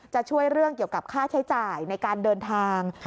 จะช่วยเรื่องเกี่ยวกับค่าใช้จ่ายในการเดินทาง